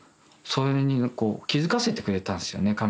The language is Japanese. それにこう気付かせてくれたんですよね